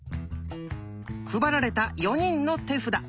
配られた４人の手札。